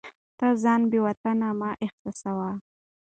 ته ځان بې وطنه مه احساسوه.